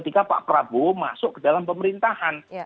ketika pak prabowo masuk ke dalam pemerintahan